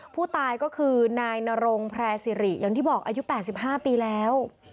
ผู้ตายก็คือนายนรงแพร่สิริอย่างที่บอกอายุ๘๕ปีแล้ว